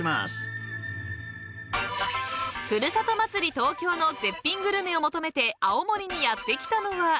東京の絶品グルメを求めて青森にやって来たのは］